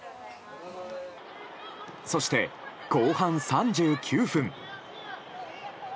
そして、後半３９分。